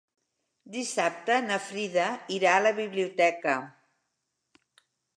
Dissabte na Frida irà a la biblioteca.